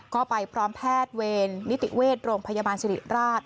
ก็ไปพร้อมแพทย์เวรนิติเวชโรงพยาบาลสิริราช